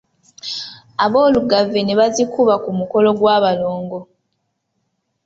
Aboolugave ne bazikuba ku mukolo gw’abalongo.